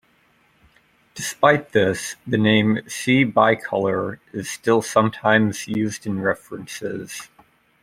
Despite this, the name "C. bicolor" is still sometimes used in references.